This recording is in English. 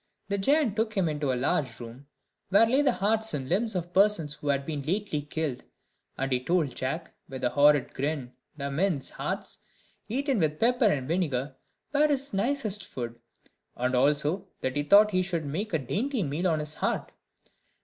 The giant took him into a large room, where lay the hearts and limbs of persons who had been lately killed; and he told Jack, with a horrid grin, that men's hearts, eaten with pepper and vinegar, were his nicest food, and also, that he thought he should make a dainty meal on his heart.